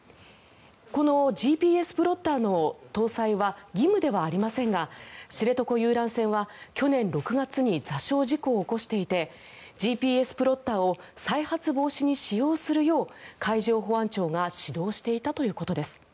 このＧＰＳプロッターの搭載は義務ではありませんが知床遊覧船は去年６月に座礁事故を起こしていてＧＰＳプロッターを再発防止に使用するよう海上保安庁が指導していたということです。